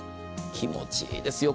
気持ちいいですよ。